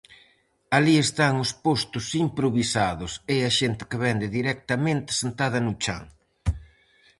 Alí están os postos improvisados e a xente que vende directamente sentada no chan.